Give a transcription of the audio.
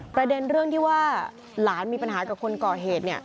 ประเด็นเรื่องที่ว่าหลานมีปัญหากับคนก่อเหตุ